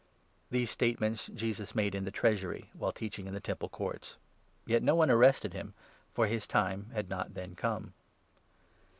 These statements Jesus made in the Treasury, while teach 20 ing in the Temple Courts. Yet no one arrested him, for his time had not then come.